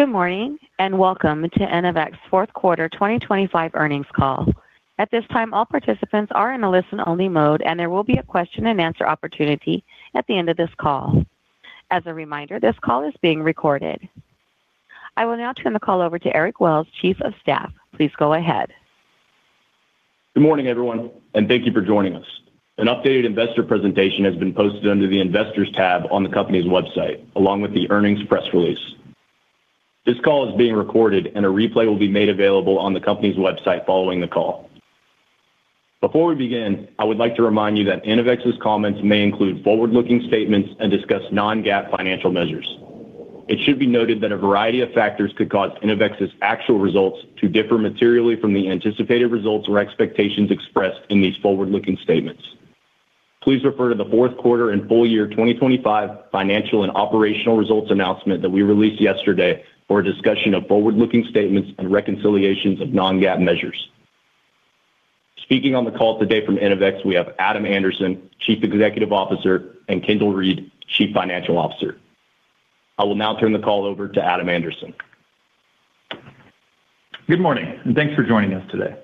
Good morning, welcome to Innovex's Q4 2025 earnings call. At this time, all participants are in a listen-only mode. There will be a question-and-answer opportunity at the end of this call. As a reminder, this call is being recorded. I will now turn the call over to Eric Wells, Chief of Staff. Please go ahead. Good morning, everyone, and thank you for joining us. An updated investor presentation has been posted under the Investors tab on the company's website, along with the earnings press release. This call is being recorded, and a replay will be made available on the company's website following the call. Before we begin, I would like to remind you that Innovex's comments may include forward-looking statements and discuss non-GAAP financial measures. It should be noted that a variety of factors could cause Innovex's actual results to differ materially from the anticipated results or expectations expressed in these forward-looking statements. Please refer to the Q4 and full-year 2025 financial and operational results announcement that we released yesterday for a discussion of forward-looking statements and reconciliations of non-GAAP measures. Speaking on the call today from Innovex, we have Adam Anderson, Chief Executive Officer, and Kendal Reed, Chief Financial Officer. I will now turn the call over to Adam Anderson. Good morning, thanks for joining us today.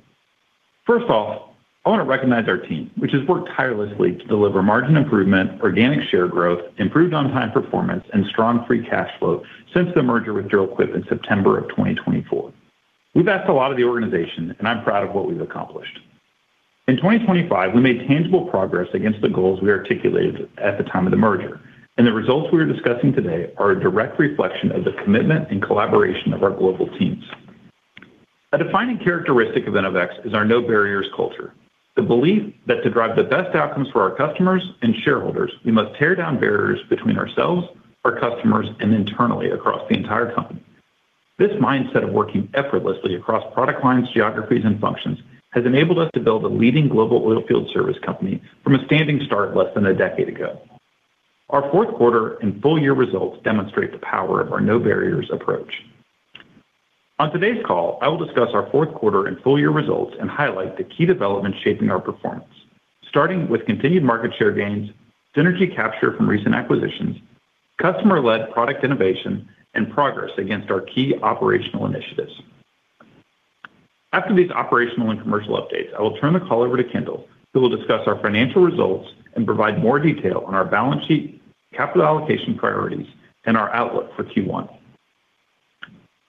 First off, I want to recognize our team, which has worked tirelessly to deliver margin improvement, organic share growth, improved on-time performance, and strong free cash flow since the merger with Dril-Quip in September of 2024. We've asked a lot of the organization, I'm proud of what we've accomplished. In 2025, we made tangible progress against the goals we articulated at the time of the merger, and the results we are discussing today are a direct reflection of the commitment and collaboration of our global teams. A defining characteristic of Innovex is our No Barriers culture. The belief that to drive the best outcomes for our customers and shareholders, we must tear down barriers between ourselves, our customers, and internally across the entire company. This mindset of working effortlessly across product lines, geographies, and functions has enabled us to build a leading global oil field service company from a standing start less than a decade ago. Our Q4 and full-year results demonstrate the power of our No Barriers approach. On today's call, I will discuss our Q4 and full-year results and highlight the key developments shaping our performance. Starting with continued market share gains, synergy capture from recent acquisitions, customer-led product innovation, and progress against our key operational initiatives. After these operational and commercial updates, I will turn the call over to Kendal, who will discuss our financial results and provide more detail on our balance sheet, capital allocation priorities, and our outlook for Q1.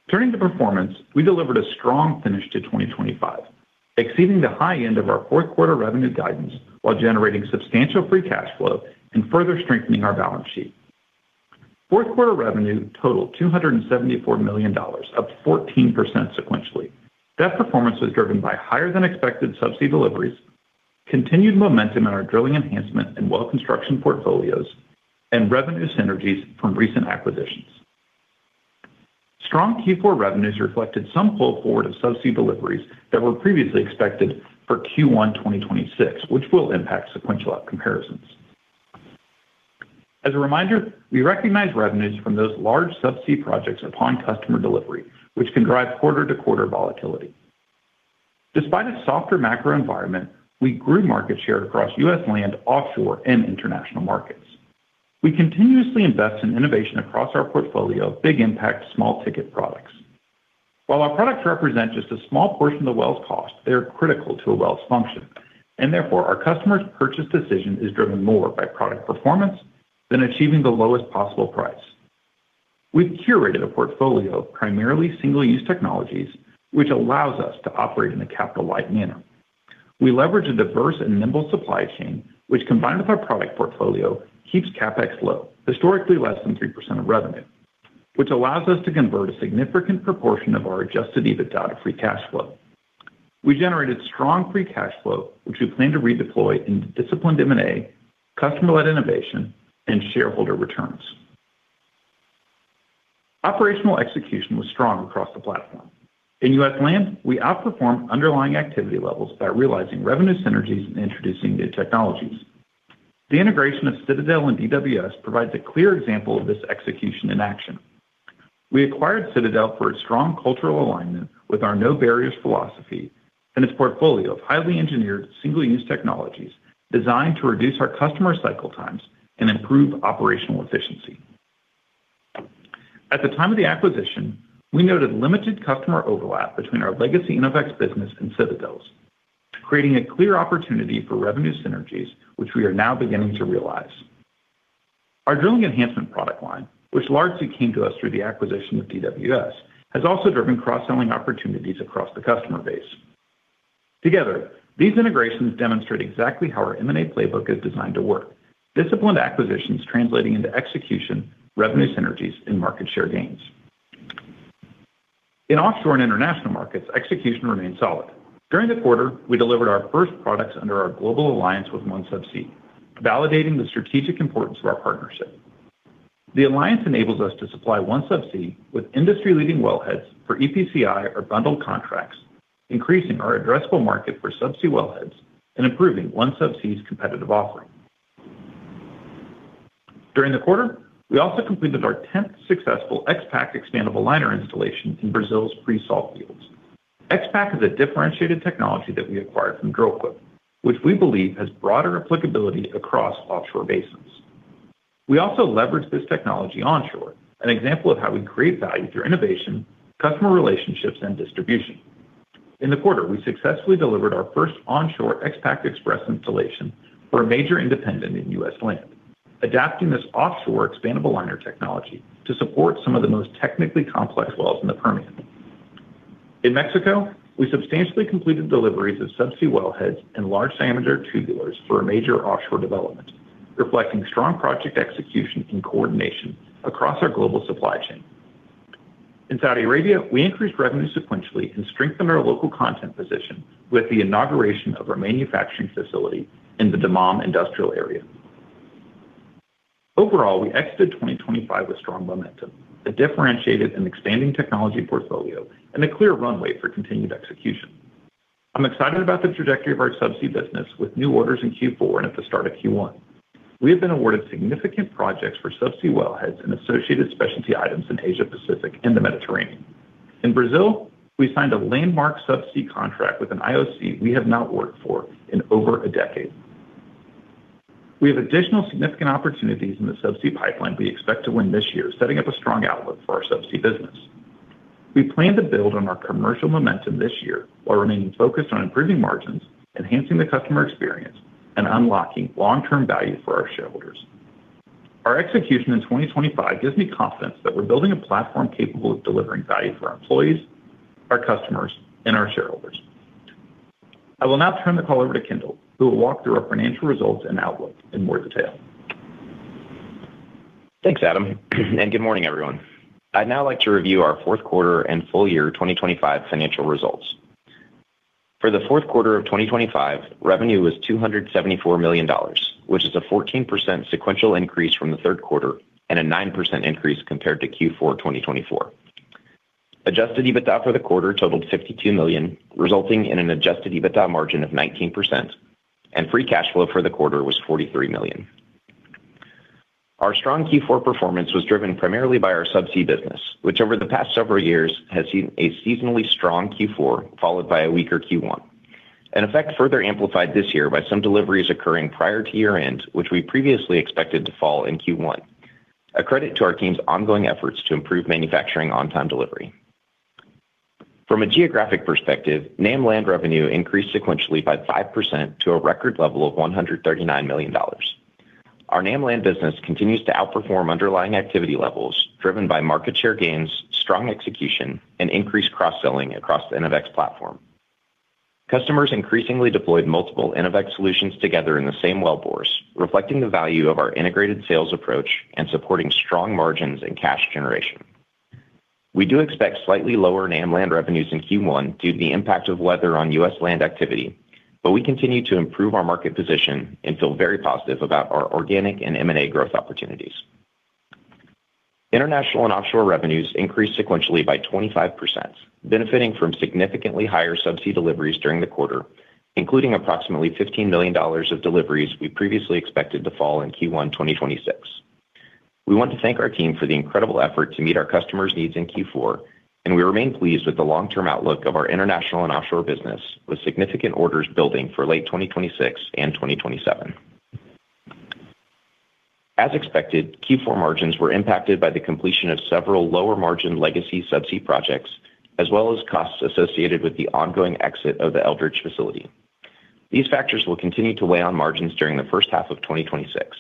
Turning to performance, we delivered a strong finish to 2025, exceeding the high end of our Q4 revenue guidance while generating substantial free cash flow and further strengthening our balance sheet. Q4 revenue totaled $274 million, up 14% sequentially. That performance was driven by higher-than-expected subsea deliveries, continued momentum in our drilling enhancement and well construction portfolios, and revenue synergies from recent acquisitions. Strong Q4 revenues reflected some pull forward of subsea deliveries that were previously expected for Q1 2026, which will impact sequential comparisons. As a reminder, we recognize revenues from those large subsea projects upon customer delivery, which can drive quarter-to-quarter volatility. Despite a softer macro environment, we grew market share across U.S. land, offshore, and international markets. We continuously invest in innovation across our portfolio of Big Impact, Small Ticket products. While our products represent just a small portion of the well's cost, they are critical to a well's function, and therefore, our customer's purchase decision is driven more by product performance than achieving the lowest possible price. We've curated a portfolio of primarily single-use technologies, which allows us to operate in a capital-light manner. We leverage a diverse and nimble supply chain, which, combined with our product portfolio, keeps CapEx low, historically less than 3% of revenue, which allows us to convert a significant proportion of our adjusted EBITDA to free cash flow. We generated strong free cash flow, which we plan to redeploy into disciplined M&A, customer-led innovation, and shareholder returns. Operational execution was strong across the platform. In US land, we outperformed underlying activity levels by realizing revenue synergies and introducing new technologies. The integration of Citadel and DWS provides a clear example of this execution in action. We acquired Citadel for its strong cultural alignment with our No Barriers philosophy and its portfolio of highly engineered, single-use technologies designed to reduce our customer cycle times and improve operational efficiency. At the time of the acquisition, we noted limited customer overlap between our legacy Innovex business and Citadel's, creating a clear opportunity for revenue synergies, which we are now beginning to realize. Our drilling enhancement product line, which largely came to us through the acquisition of DWS, has also driven cross-selling opportunities across the customer base. Together, these integrations demonstrate exactly how our M&A playbook is designed to work. Disciplined acquisitions translating into execution, revenue synergies, and market share gains. In offshore and international markets, execution remains solid. During the quarter, we delivered our first products under our global alliance with OneSubsea, validating the strategic importance of our partnership. The alliance enables us to supply OneSubsea with industry-leading wellheads for EPCI or bundled contracts, increasing our addressable market for subsea wellheads and improving OneSubsea's competitive offering. During the quarter, we also completed our tenth successful XPak expandable liner installation in Brazil's pre-salt field. XPak is a differentiated technology that we acquired from Dril-Quip, which we believe has broader applicability across offshore basins. We also leveraged this technology onshore, an example of how we create value through innovation, customer relationships, and distribution. In the quarter, we successfully delivered our first onshore XPak Express installation for a major independent in U.S. land, adapting this offshore expandable liner technology to support some of the most technically complex wells in the Permian. In Mexico, we substantially completed deliveries of subsea wellheads and large diameter tubulars for a major offshore development, reflecting strong project execution and coordination across our global supply chain. In Saudi Arabia, we increased revenue sequentially and strengthened our local content position with the inauguration of our manufacturing facility in the Dammam industrial area. Overall, we exited 2025 with strong momentum, a differentiated and expanding technology portfolio, and a clear runway for continued execution. I'm excited about the trajectory of our subsea business with new orders in Q4 and at the start of Q1. We have been awarded significant projects for subsea wellheads and associated specialty items in Asia Pacific and the Mediterranean. In Brazil, we signed a landmark subsea contract with an IOC we have not worked for in over a decade. We have additional significant opportunities in the subsea pipeline we expect to win this year, setting up a strong outlook for our subsea business. We plan to build on our commercial momentum this year, while remaining focused on improving margins, enhancing the customer experience, and unlocking long-term value for our shareholders. Our execution in 2025 gives me confidence that we're building a platform capable of delivering value for our employees, our customers, and our shareholders. I will now turn the call over to Kendal, who will walk through our financial results and outlook in more detail. Thanks, Adam. Good morning, everyone. I'd now like to review our Q4 and full-year 2025 financial results. For the Q4 of 2025, revenue was $274 million, which is a 14% sequential increase from the Q3 and a 9% increase compared to Q4 2024. Adjusted EBITDA for the quarter totaled $52 million, resulting in an adjusted EBITDA margin of 19%, and free cash flow for the quarter was $43 million. Our strong Q4 performance was driven primarily by our subsea business, which over the past several years has seen a seasonally strong Q4, followed by a weaker Q1. An effect further amplified this year by some deliveries occurring prior to year-end, which we previously expected to fall in Q1. A credit to our team's ongoing efforts to improve manufacturing on-time delivery. From a geographic perspective, NAM Land revenue increased sequentially by 5% to a record level of $139 million. Our NAM Land business continues to outperform underlying activity levels, driven by market share gains, strong execution, and increased cross-selling across the Innovex platform. Customers increasingly deployed multiple Innovex solutions together in the same wellbores, reflecting the value of our integrated sales approach and supporting strong margins and cash generation. We do expect slightly lower NAM Land revenues in Q1 due to the impact of weather on U.S. land activity. We continue to improve our market position and feel very positive about our organic and M&A growth opportunities. International and offshore revenues increased sequentially by 25%, benefiting from significantly higher subsea deliveries during the quarter, including approximately $15 million of deliveries we previously expected to fall in Q1 2026. We want to thank our team for the incredible effort to meet our customers' needs in Q4, and we remain pleased with the long-term outlook of our international and offshore business, with significant orders building for late 2026 and 2027. As expected, Q4 margins were impacted by the completion of several lower-margin legacy subsea projects, as well as costs associated with the ongoing exit of the Eldridge facility. These factors will continue to weigh on margins during the H1 of 2026.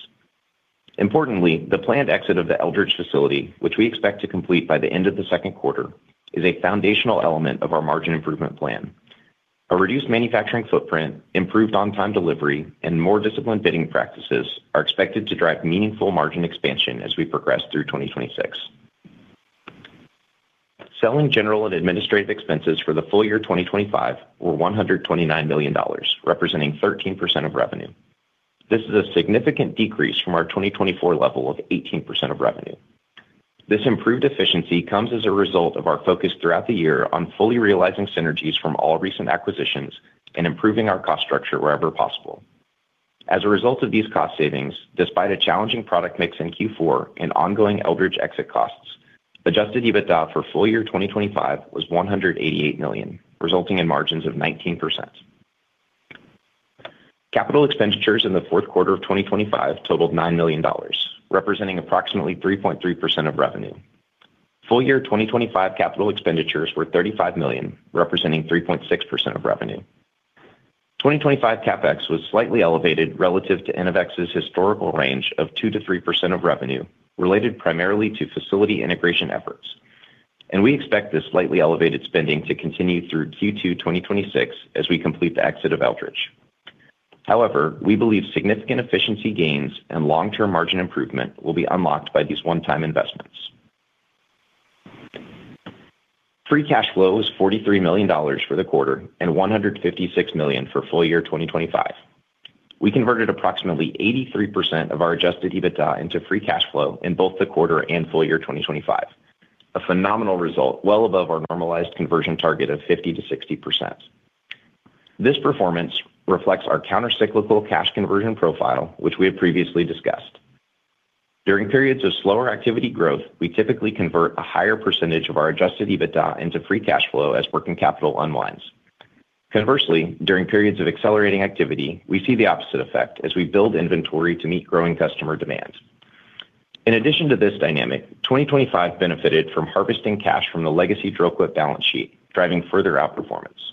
Importantly, the planned exit of the Eldridge facility, which we expect to complete by the end of the Q2, is a foundational element of our margin improvement plan. A reduced manufacturing footprint, improved on-time delivery, and more disciplined bidding practices are expected to drive meaningful margin expansion as we progress through 2026. Selling general and administrative expenses for the full-year 2025 were $129 million, representing 13% of revenue. This is a significant decrease from our 2024 level of 18% of revenue. This improved efficiency comes as a result of our focus throughout the year on fully realizing synergies from all recent acquisitions and improving our cost structure wherever possible. As a result of these cost savings, despite a challenging product mix in Q4 and ongoing Eldridge exit costs, adjusted EBITDA for full-year 2025 was $188 million, resulting in margins of 19%. Capital expenditures in the Q4 of 2025 totaled $9 million, representing approximately 3.3% of revenue. Full-year 2025 capital expenditures were $35 million, representing 3.6% of revenue. 2025 CapEx was slightly elevated relative to Innovex's historical range of 2%-3% of revenue, related primarily to facility integration efforts, and we expect this slightly elevated spending to continue through Q2 2026 as we complete the exit of Eldridge. However, we believe significant efficiency gains and long-term margin improvement will be unlocked by these one-time investments. Free cash flow is $43 million for the quarter and $156 million for full-year 2025. We converted approximately 83% of our adjusted EBITDA into free cash flow in both the quarter and full-year 2025. A phenomenal result, well above our normalized conversion target of 50%-60%. This performance reflects our countercyclical cash conversion profile, which we have previously discussed.... During periods of slower activity growth, we typically convert a higher percentage of our adjusted EBITDA into free cash flow as working capital unwinds. During periods of accelerating activity, we see the opposite effect as we build inventory to meet growing customer demands. In addition to this dynamic, 2025 benefited from harvesting cash from the legacy Dril-Quip balance sheet, driving further outperformance.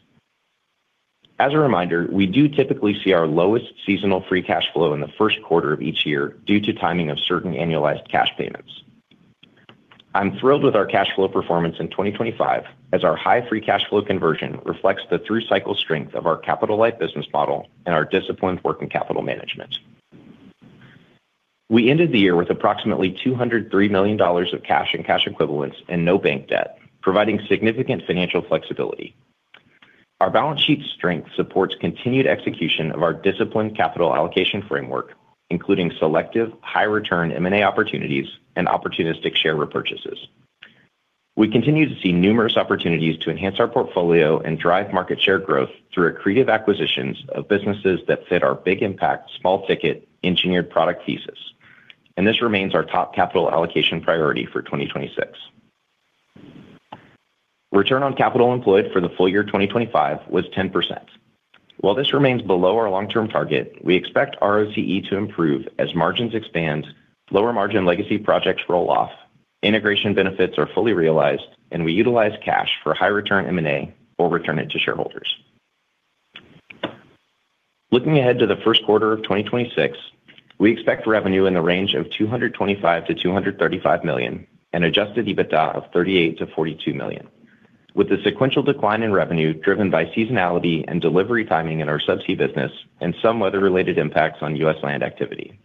As a reminder, we do typically see our lowest seasonal free cash flow in the Q1 of each year due to timing of certain annualized cash payments. I'm thrilled with our cash flow performance in 2025, as our high free cash flow conversion reflects the through-cycle strength of our capital-light business model and our disciplined working capital management. We ended the year with approximately $203 million of cash and cash equivalents and no bank debt, providing significant financial flexibility. Our balance sheet strength supports continued execution of our disciplined capital allocation framework, including selective, high return M&A opportunities and opportunistic share repurchases. We continue to see numerous opportunities to enhance our portfolio and drive market share growth through accretive acquisitions of businesses that fit our Big Impact, Small Ticket, engineered product thesis. This remains our top capital allocation priority for 2026. Return on Capital Employed for the full-year 2025 was 10%. While this remains below our long-term target, we expect ROCE to improve as margins expand, lower margin legacy projects roll off, integration benefits are fully realized, and we utilize cash for high return M&A or return it to shareholders. Looking ahead to the Q1 of 2026, we expect revenue in the range of $225 million-$235 million and adjusted EBITDA of $38 million-$42 million, with the sequential decline in revenue driven by seasonality and delivery timing in our subsea business and some weather-related impacts on U.S. Land activity.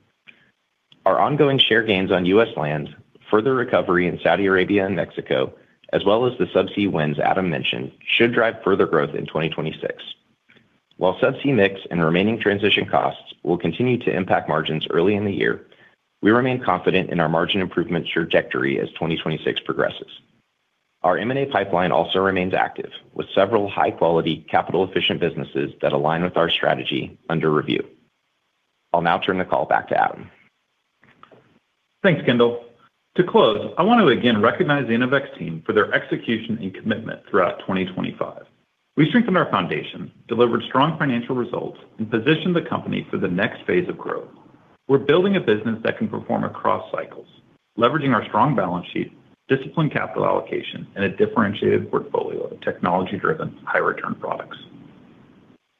Our ongoing share gains on U.S. Land, further recovery in Saudi Arabia and Mexico, as well as the subsea wins Adam mentioned, should drive further growth in 2026. While subsea mix and remaining transition costs will continue to impact margins early in the year, we remain confident in our margin improvement trajectory as 2026 progresses. Our M&A pipeline also remains active, with several high-quality, capital-efficient businesses that align with our strategy under review. I'll now turn the call back to Adam. Thanks, Kendal. To close, I want to again recognize the Innovex team for their execution and commitment throughout 2025. We've strengthened our foundation, delivered strong financial results, and positioned the company for the next phase of growth. We're building a business that can perform across cycles, leveraging our strong balance sheet, disciplined capital allocation, and a differentiated portfolio of technology-driven, high-return products.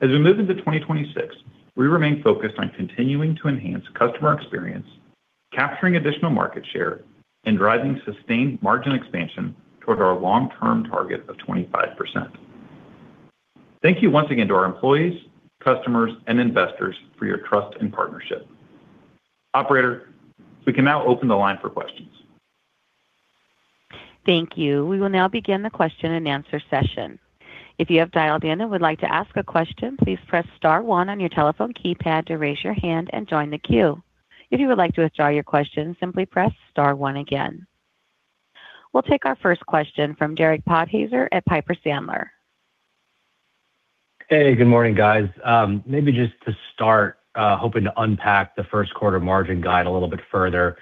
As we move into 2026, we remain focused on continuing to enhance customer experience, capturing additional market share, and driving sustained margin expansion toward our long-term target of 25%. Thank you once again to our employees, customers, and investors for your trust and partnership. Operator, we can now open the line for questions. Thank you. We will now begin the question-and-answer session. If you have dialed in and would like to ask a question, please press star one on your telephone keypad to raise your hand and join the queue. If you would like to withdraw your question, simply press star one again. We'll take our first question from Derek Podhaizer at Piper Sandler. Hey, good morning, guys. Maybe just to start, hoping to unpack the Q1 margin guide a little bit further.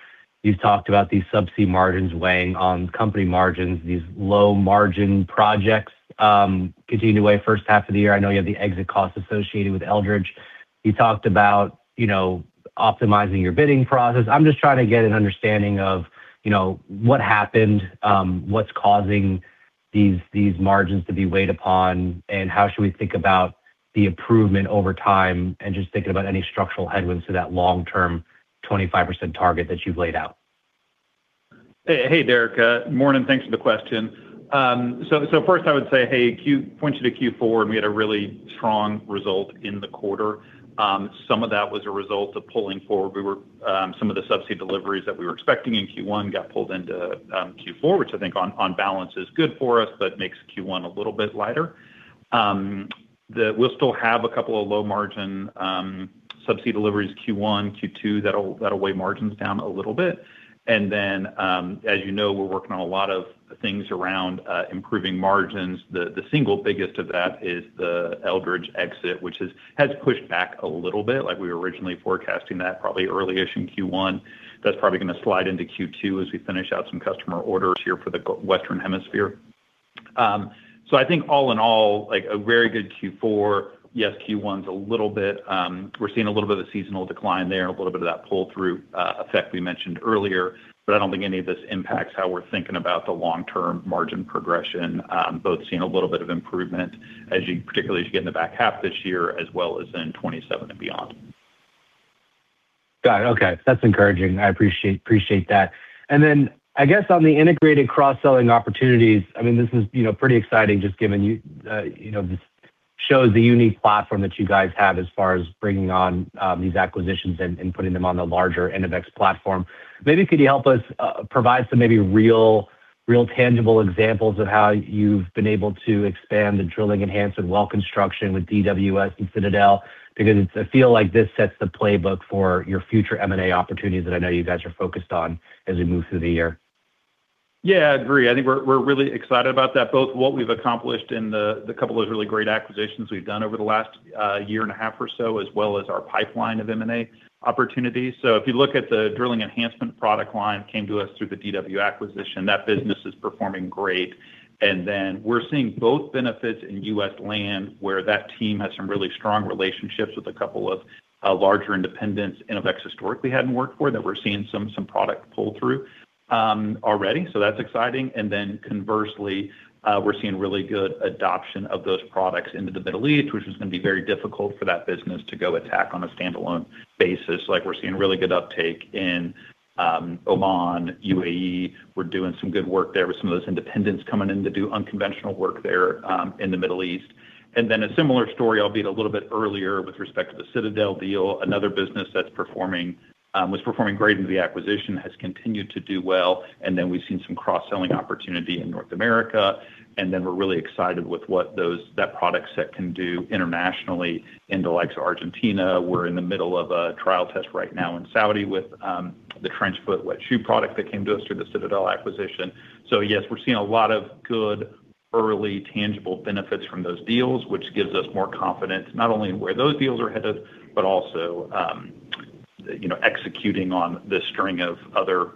You've talked about these subsea margins weighing on company margins, these low-margin projects, continuing to weigh H1 of the year. I know you have the exit costs associated with Eldridge. You talked about, you know, optimizing your bidding process. I'm just trying to get an understanding of, you know, what happened, what's causing these margins to be weighed upon, how should we think about the improvement over time, just thinking about any structural headwinds to that long-term 25% target that you've laid out? Hey, Derek Podhaizer, morning, thanks for the question. First I would say, hey, point you to Q4, we had a really strong result in the quarter. Some of that was a result of pulling forward. Some of the subsea deliveries that we were expecting in Q1 got pulled into Q4, which I think on balance is good for us, makes Q1 a little bit lighter. We'll still have a couple of low-margin subsea deliveries, Q1, Q2, that'll weigh margins down a little bit. As you know, we're working on a lot of things around improving margins. The single biggest of that is the Eldridge exit, which has pushed back a little bit, like we were originally forecasting that probably early-ish in Q1. That's probably gonna slide into Q2 as we finish out some customer orders here for the Western Hemisphere. I think, all in all, like, a very good Q4. Yes, Q1 is a little bit. We're seeing a little bit of seasonal decline there, a little bit of that pull-through effect we mentioned earlier, but I don't think any of this impacts how we're thinking about the long-term margin progression. Both seeing a little bit of improvement as you, particularly as you get in the back half this year, as well as in 2027 and beyond. Got it. Okay, that's encouraging. I appreciate that. I guess on the integrated cross-selling opportunities, I mean, this is, you know, pretty exciting, just given you know, this shows the unique platform that you guys have as far as bringing on these acquisitions and putting them on the larger Innovex platform. Maybe could you help us provide some maybe real tangible examples of how you've been able to expand the drilling enhancement and well construction with DWS and Citadel? I feel like this sets the playbook for your future M&A opportunities that I know you guys are focused on as we move through the year. Yeah, I agree. I think we're really excited about that, both what we've accomplished in the couple of those really great acquisitions we've done over the last year and a half or so, as well as our pipeline of M&A opportunities. If you look at the drilling enhancement product line, came to us through the DWS acquisition, that business is performing great. Then we're seeing both benefits in U.S. land, where that team has some really strong relationships with a couple of larger independents, Innovex historically hadn't worked for, that we're seeing some product pull-through already. That's exciting. Then conversely, we're seeing really good adoption of those products into the Middle East, which was gonna be very difficult for that business to go attack on a standalone basis. Like, we're seeing really good uptake in Oman, U.A.E. We're doing some good work there with some of those independents coming in to do unconventional work there, in the Middle East. A similar story, albeit a little bit earlier, with respect to the Citadel deal, another business that was performing, was performing great into the acquisition, has continued to do well. We've seen some cross-selling opportunity in North America, we're really excited with what that product set can do internationally in the likes of Argentina. We're in the middle of a trial test right now in Saudi with the TrenchFoot Wet Shoe product that came to us through the Citadel acquisition. Yes, we're seeing a lot of good, early, tangible benefits from those deals, which gives us more confidence, not only where those deals are headed, but also, you know, executing on the string of other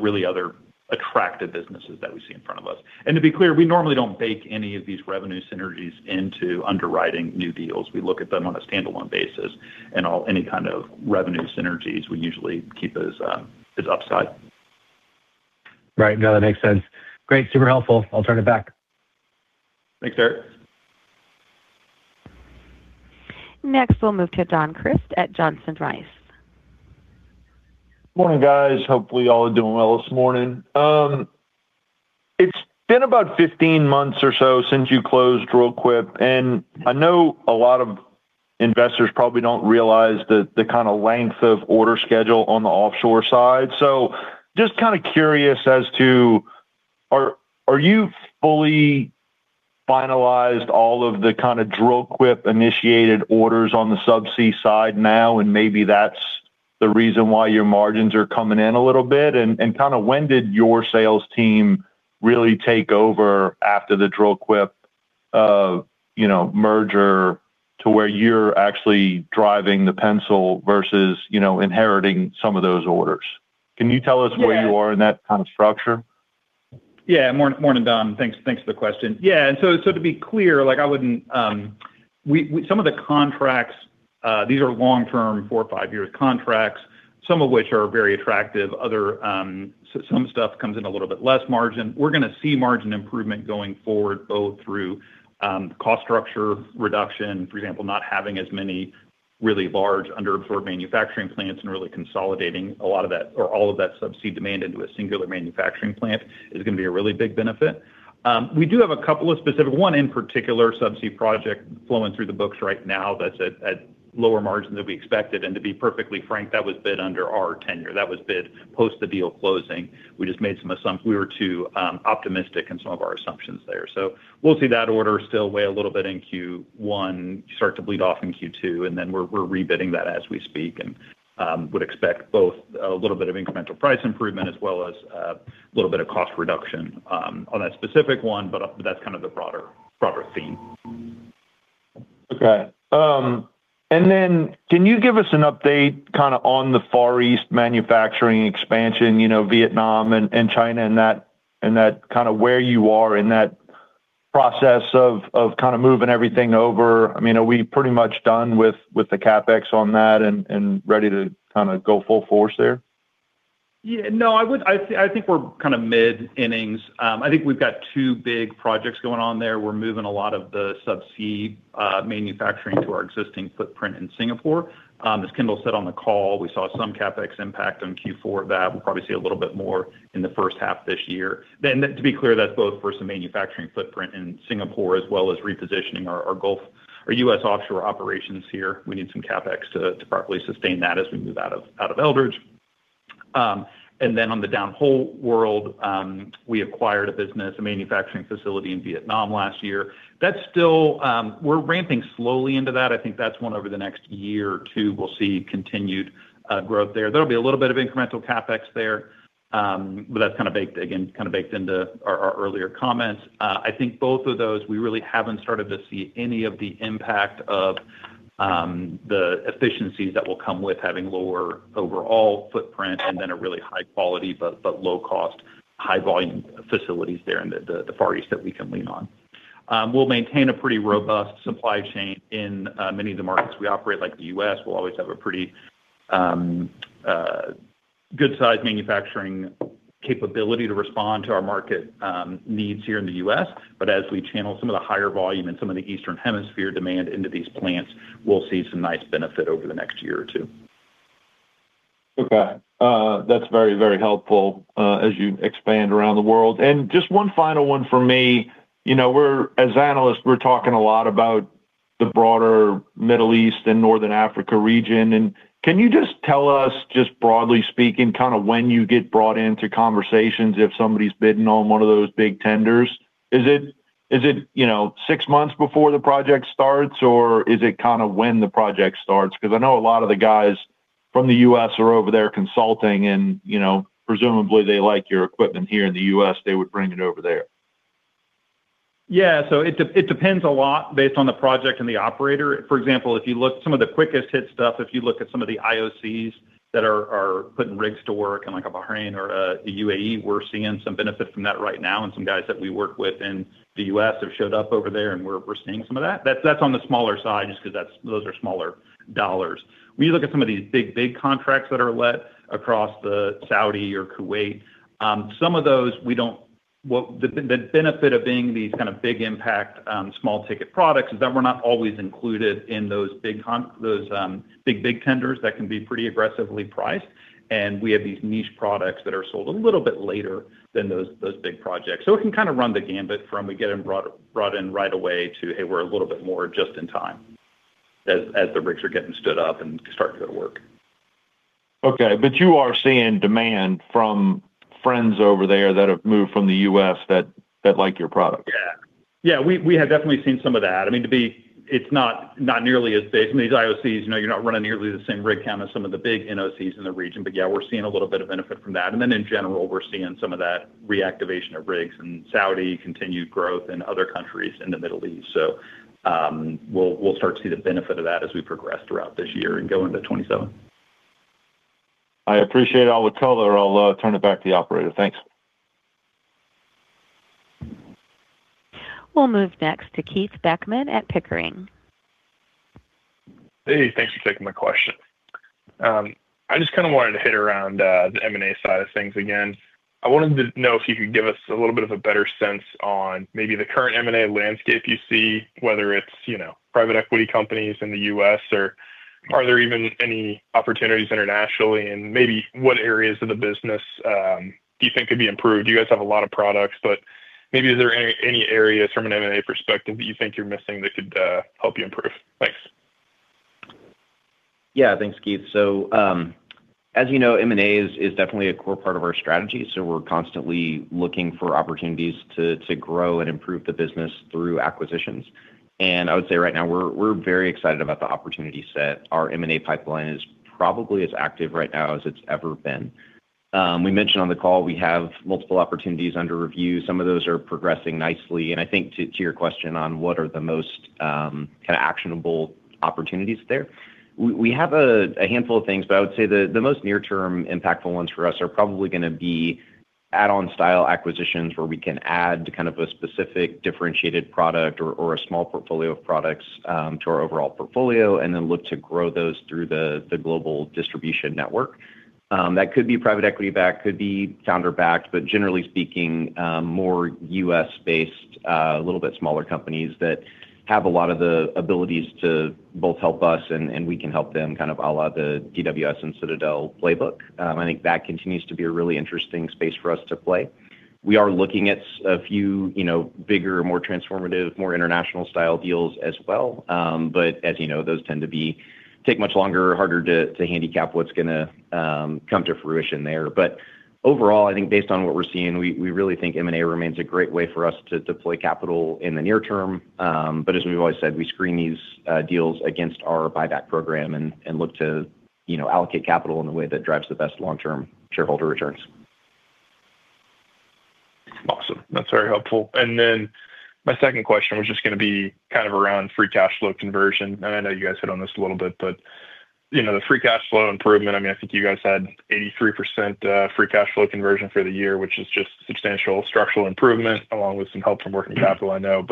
really other attractive businesses that we see in front of us. To be clear, we normally don't bake any of these revenue synergies into underwriting new deals. We look at them on a standalone basis, and any kind of revenue synergies, we usually keep as upside. Right. No, that makes sense. Great, super helpful. I'll turn it back. Thanks, Eric. Next, we'll move to Don Crist at Johnson Rice. Morning, guys. Hopefully, you all are doing well this morning. It's been about 15 months or so since you closed Dril-Quip, I know a lot of investors probably don't realize the kind of length of order schedule on the offshore side. Just kind of curious as to, are you fully finalized all of the kind of Dril-Quip-initiated orders on the subsea side now, maybe that's the reason why your margins are coming in a little bit? Kind of when did your sales team really take over after the Dril-Quip merger to where you're actually driving the pencil versus, you know, inheriting some of those orders? Can you tell us? Yeah Where you are in that kind of structure? Yeah. Morning, morning, Don. Thanks, thanks for the question. Yeah. To be clear, like, some of the contracts, these are long-term, four or five years contracts, some of which are very attractive, other, some stuff comes in a little bit less margin. We're gonna see margin improvement going forward, both through cost structure reduction, for example, not having as many really large underfloor manufacturing plants and really consolidating a lot of that or all of that subsea demand into a singular manufacturing plant is gonna be a really big benefit. We do have a couple of specific, one in particular, subsea project flowing through the books right now that's at lower margins than we expected. To be perfectly frank, that was bid under our tenure. That was bid post the deal closing. We just made some assumptions. We were too optimistic in some of our assumptions there. We'll see that order still weigh a little bit in Q1, start to bleed off in Q2, and then we're rebidding that as we speak, and would expect both a little bit of incremental price improvement, as well as a little bit of cost reduction on that specific one, but that's kind of the broader theme. Okay. Then can you give us an update kind of on the Far East manufacturing expansion, you know, Vietnam and China, and that kind of where you are in that process of moving everything over? I mean, are we pretty much done with the CapEx on that and ready to kind of go full force there? No, I think we're kind of mid-innings. I think we've got two big projects going on there. We're moving a lot of the subsea manufacturing to our existing footprint in Singapore. As Kendal said on the call, we saw some CapEx impact on Q4 of that. We'll probably see a little bit more in the H1 this year. To be clear, that's both for some manufacturing footprint in Singapore as well as repositioning our U.S. offshore operations here. We need some CapEx to properly sustain that as we move out of Eldridge. And then on the down hole world, we acquired a business, a manufacturing facility in Vietnam last year. That's still. We're ramping slowly into that. I think that's one over the next year or two, we'll see continued growth there. There'll be a little bit of incremental CapEx there, but that's kind of baked into our earlier comments. I think both of those, we really haven't started to see any of the impact of the efficiencies that will come with having lower overall footprint and then a really high quality, but low cost, high volume facilities there in the Far East that we can lean on. We'll maintain a pretty robust supply chain in many of the markets we operate, like the U.S. We'll always have a pretty good size manufacturing capability to respond to our market needs here in the U.S. As we channel some of the higher volume and some of the Eastern Hemisphere demand into these plants, we'll see some nice benefit over the next year or two. Okay. That's very, very helpful as you expand around the world. Just one final one for me. You know, we're, as analysts, we're talking a lot about the broader Middle East and Northern Africa region. Can you just tell us, just broadly speaking, kind of when you get brought into conversations, if somebody's bidding on one of those big tenders? Is it, you know, six months before the project starts, or is it kind of when the project starts? Because I know a lot of the guys from the US are over there consulting and, you know, presumably they like your equipment here in the US, they would bring it over there? It depends a lot based on the project and the operator. For example, if you look, some of the quickest hit stuff, if you look at some of the IOCs that are putting rigs to work in, like, a Bahrain or the U.A.E., we're seeing some benefit from that right now, and some guys that we work with in the U.S. have showed up over there, and we're seeing some of that. That's on the smaller side, just 'cause those are smaller dollars. When you look at some of these big contracts that are let across the Saudi or Kuwait, Well, the benefit of being these kind of Big Impact, Small Ticket products is that we're not always included in those big tenders that can be pretty aggressively priced, and we have these niche products that are sold a little bit later than those big projects. It can kind of run the gamut from we get them brought in right away to, "Hey, we're a little bit more just in time," as the rigs are getting stood up and start to go to work. Okay, you are seeing demand from friends over there that have moved from the U.S. that like your product? Yeah, we have definitely seen some of that. I mean, to be... It's not nearly as big from these IOCs. You know, you're not running nearly the same rig count as some of the big NOCs in the region, but yeah, we're seeing a little bit of benefit from that. In general, we're seeing some of that reactivation of rigs in Saudi, continued growth in other countries in the Middle East. We'll start to see the benefit of that as we progress throughout this year and go into 2027. I appreciate all the color. I'll turn it back to the operator. Thanks. We'll move next to Keith Beckmann at Pickering. Hey, thanks for taking my question. I just kind of wanted to hit around the M&A side of things again. I wanted to know if you could give us a little bit of a better sense on maybe the current M&A landscape you see, whether it's, you know, private equity companies in the U.S., or are there even any opportunities internationally. Maybe what areas of the business do you think could be improved? You guys have a lot of products, maybe is there any areas from an M&A perspective that you think you're missing that could help you improve? Thanks. Yeah, thanks, Keith. As you know, M&A is definitely a core part of our strategy, so we're constantly looking for opportunities to grow and improve the business through acquisitions. I would say right now, we're very excited about the opportunity set. Our M&A pipeline is probably as active right now as it's ever been. We mentioned on the call we have multiple opportunities under review. Some of those are progressing nicely, and I think to your question on what are the most, kind of actionable opportunities there, we have a handful of things, but I would say the most near term impactful ones for us are probably gonna be add-on style acquisitions, where we can add kind of a specific differentiated product or a small portfolio of products, to our overall portfolio, and then look to grow those through the global distribution network. That could be private equity-backed, could be founder-backed, but generally speaking, more U.S.-based, a little bit smaller companies that have a lot of the abilities to both help us and we can help them kind of ala the DWS and Citadel playbook. I think that continues to be a really interesting space for us to play. We are looking at a few, you know, bigger, more transformative, more international style deals as well. As you know, those tend to be, take much longer, harder to handicap what's gonna come to fruition there. Overall, I think based on what we're seeing, we really think M&A remains a great way for us to deploy capital in the near term. As we've always said, we screen these deals against our buyback program and look to, you know, allocate capital in a way that drives the best long-term shareholder returns. Awesome. That's very helpful. My second question was just gonna be kind of around free cash flow conversion. I know you guys hit on this a little bit, but, you know, the free cash flow improvement, I mean, I think you guys had 83% free cash flow conversion for the year, which is just substantial structural improvement, along with some help from working capital, I know.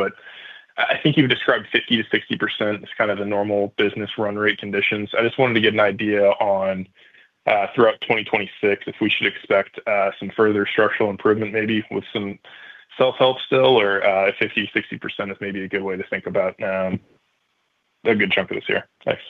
I think you've described 50%-60% as kind of the normal business run rate conditions. I just wanted to get an idea on, throughout 2026, if we should expect some further structural improvement, maybe with some self-help still, or 50%-60% is maybe a good way to think about a good chunk of this year. Thanks.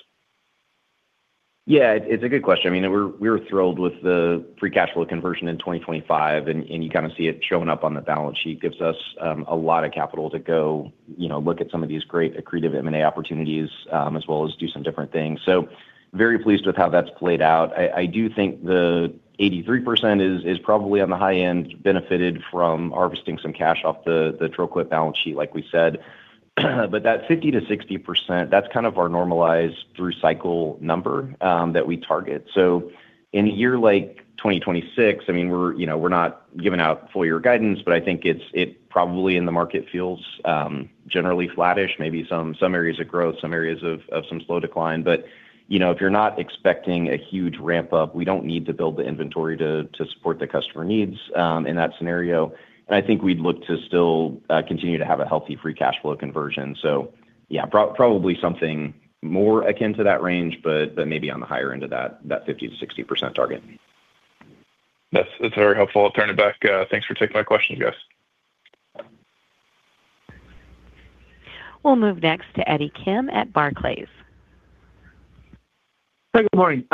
Yeah, it's a good question. I mean, we're thrilled with the free cash flow conversion in 2025. You kind of see it showing up on the balance sheet. Gives us a lot of capital to go, you know, look at some of these great accretive M&A opportunities, as well as do some different things. Very pleased with how that's played out. I do think the 83% is probably on the high end, benefited from harvesting some cash off the Dril-Quip balance sheet, like we said. That 50%-60%, that's kind of our normalized through-cycle number that we target. In a year like 2026, I mean, we're, you know, we're not giving out full year guidance, but I think it probably in the market feels generally flattish, maybe some areas of growth, some areas of some slow decline. You know, if you're not expecting a huge ramp-up, we don't need to build the inventory to support the customer needs in that scenario. I think we'd look to still continue to have a healthy free cash flow conversion. Yeah, probably something more akin to that range, but maybe on the higher end of that 50%-60% target. That's very helpful. I'll turn it back. Thanks for taking my question, guys. We'll move next to Eddie Kim at Barclays. Good morning.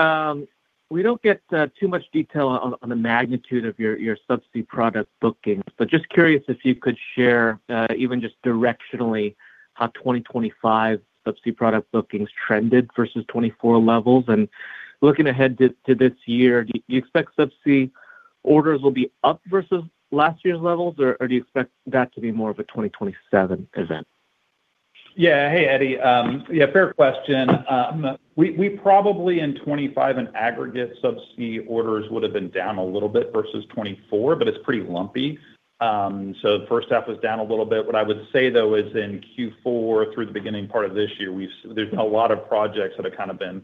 We don't get too much detail on the magnitude of your subsea product bookings, but just curious if you could share even just directionally, how 2025 subsea product bookings trended versus 2024 levels. Looking ahead to this year, do you expect subsea orders will be up versus last year's levels, or do you expect that to be more of a 2027 event? Hey, Eddie. Fair question. We probably in 2025 in aggregate subsea orders would have been down a little bit versus 2024, but it's pretty lumpy. The H1 was down a little bit. What I would say, though, is in Q4 through the beginning part of this year, there's a lot of projects that have kind of been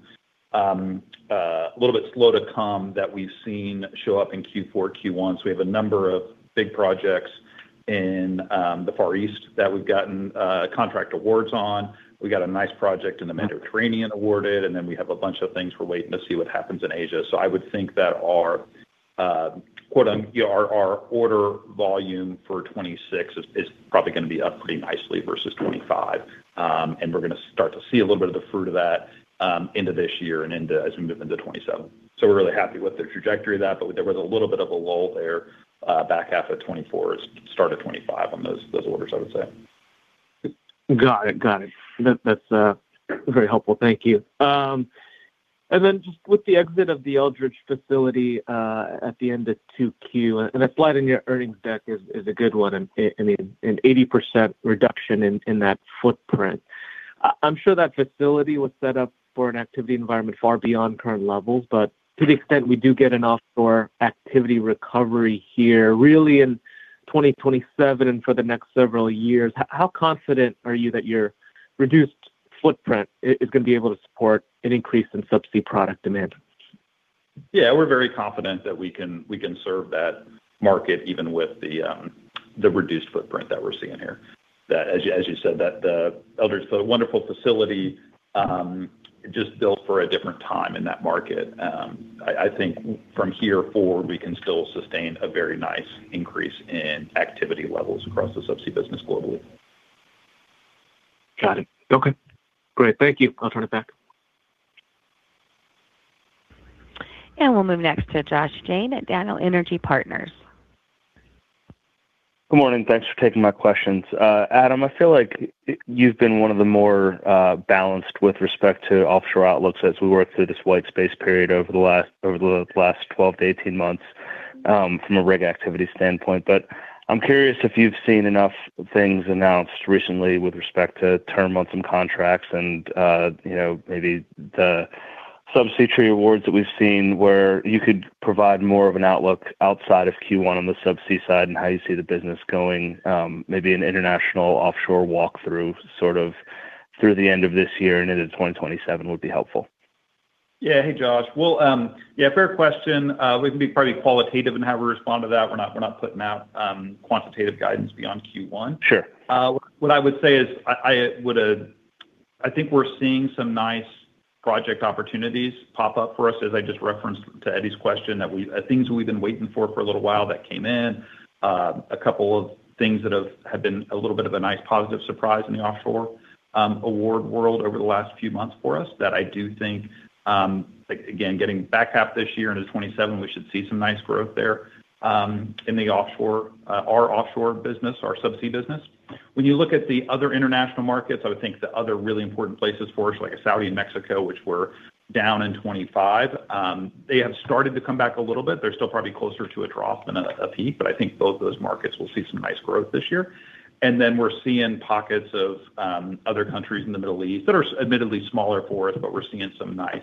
a little bit slow to come that we've seen show up in Q4, Q1. We have a number of big projects in the Far East that we've gotten contract awards on. We got a nice project in the Mediterranean awarded. We have a bunch of things we're waiting to see what happens in Asia. I would think that our quote, our order volume for 2026 is probably gonna be up pretty nicely versus 2025. We're gonna start to see a little bit of the fruit of that into this year and into, as we move into 2027. We're really happy with the trajectory of that, but there was a little bit of a lull there, back half of 2024, start of 2025 on those orders, I would say. Got it. Got it. That's very helpful. Thank you. Then just with the exit of the Eldridge facility, at the end of 2Q, and that slide in your earnings deck is a good one, and an 80% reduction in that footprint. I'm sure that facility was set up for an activity environment far beyond current levels, but to the extent we do get an offshore activity recovery here, really in 2027 and for the next several years, how confident are you that your reduced footprint is gonna be able to support an increase in subsea product demand? Yeah, we're very confident that we can serve that market even with the reduced footprint that we're seeing here. That as you said, that the Eldridge, it's a wonderful facility, just built for a different time in that market. I think from here forward, we can still sustain a very nice increase in activity levels across the subsea business globally. Got it. Okay, great. Thank you. I'll turn it back. We'll move next to Josh Jayne at Daniel Energy Partners. Good morning. Thanks for taking my questions. Adam, I feel like you've been one of the more, balanced with respect to offshore outlooks as we work through this white space period over the last, over the last 12-18 months, from a rig activity standpoint. I'm curious if you've seen enough things announced recently with respect to term on some contracts and, you know, maybe the subsea tree awards that we've seen, where you could provide more of an outlook outside of Q1 on the subsea side and how you see the business going, maybe an international offshore walk-through, sort of through the end of this year and into 2027 would be helpful. Yeah. Hey, Josh. Well, yeah, fair question. We can probably qualitative in how we respond to that. We're not putting out quantitative guidance beyond Q1. Sure. What I would say is I think we're seeing some nice project opportunities pop up for us, as I just referenced to Eddie's question. Things we've been waiting for a little while that came in. A couple of things that have been a little bit of a nice positive surprise in the offshore award world over the last few months for us, that I do think, like again, getting back half this year into 2027, we should see some nice growth there in the offshore, our offshore business, our subsea business. When you look at the other international markets, I would think the other really important places for us, like Saudi and Mexico, which were down in 2025, they have started to come back a little bit. They're still probably closer to a trough than a peak, but I think both of those markets will see some nice growth this year. We're seeing pockets of other countries in the Middle East that are admittedly smaller for us, but we're seeing some nice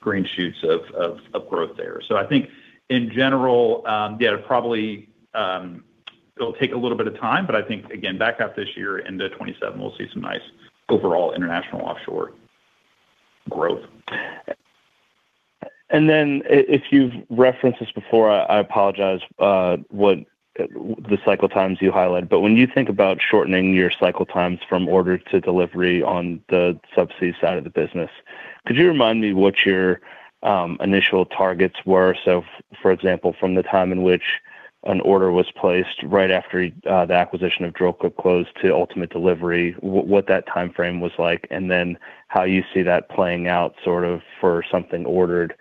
green shoots of growth there. I think in general, yeah, probably, it'll take a little bit of time, but I think, again, back half this year into 2027, we'll see some nice overall international offshore growth. If you've referenced this before, I apologize, what the cycle times you highlighted. When you think about shortening your cycle times from order to delivery on the subsea side of the business, could you remind me what your initial targets were? For example, from the time in which an order was placed right after the acquisition of Dril-Quip close to ultimate delivery, what that timeframe was like, and then how you see that playing out sort of for something ordered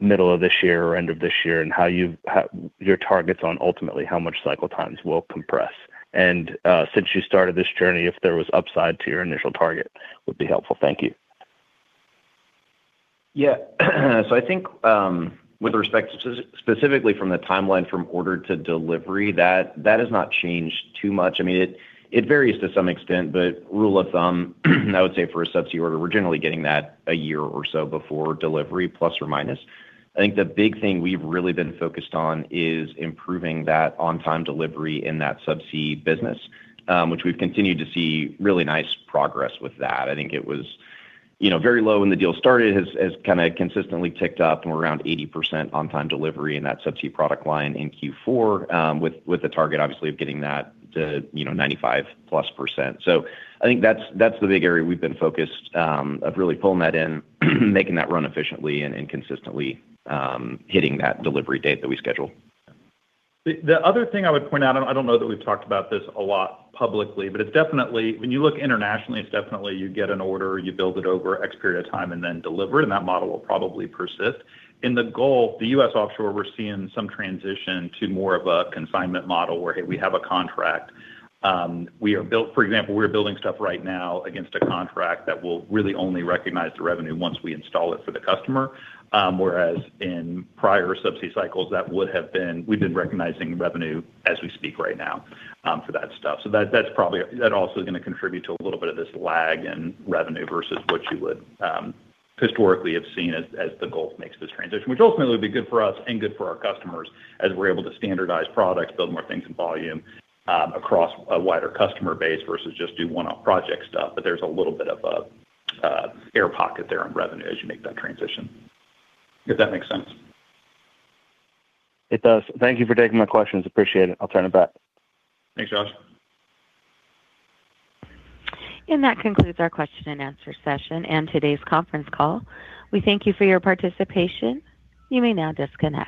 middle of this year or end of this year, and how your targets on ultimately how much cycle times will compress. Since you started this journey, if there was upside to your initial target, would be helpful. Thank you. Yeah. I think, with respect to specifically from the timeline from order to delivery, that has not changed too much. I mean, it varies to some extent, but rule of thumb, I would say for a subsea order, we're generally getting that a year or so before delivery, plus or minus. I think the big thing we've really been focused on is improving that on-time delivery in that subsea business, which we've continued to see really nice progress with that. I think it was, you know, very low when the deal started, has kinda consistently ticked up, and we're around 80% on-time delivery in that subsea product line in Q4, with the target obviously of getting that to, you know, 95%+. I think that's the big area we've been focused of really pulling that in, making that run efficiently and consistently hitting that delivery date that we scheduled. The other thing I would point out, I don't know that we've talked about this a lot publicly, but it's definitely when you look internationally, it's definitely you get an order, you build it over X period of time, and then deliver it. That model will probably persist. In the Gulf, the U.S. offshore, we're seeing some transition to more of a consignment model where, hey, we have a contract. For example, we are building stuff right now against a contract that will really only recognize the revenue once we install it for the customer. Whereas in prior subsea cycles, that we would have been recognizing revenue as we speak right now, for that stuff. That also is gonna contribute to a little bit of this lag in revenue versus what you would historically have seen as the Gulf makes this transition, which ultimately will be good for us and good for our customers as we're able to standardize products, build more things in volume across a wider customer base, versus just do one-off project stuff. There's a little bit of an air pocket there on revenue as you make that transition, if that makes sense? It does. Thank you for taking my questions. Appreciate it. I'll turn it back. Thanks, Josh. That concludes our question and answer session and today's conference call. We thank you for your participation. You may now disconnect.